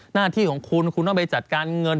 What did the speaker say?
หน้าที่ของคุณคุณต้องไปจัดการเงิน